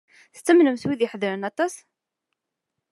Tettamnem wid i iheddṛen aṭas?